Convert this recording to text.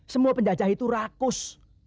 semua penjajah itu rakus